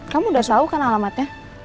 kamu udah saukan alamatnya